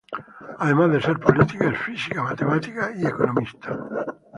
Además de ser política, es física, matemática y economista.